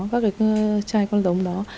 các cái chai con giống đó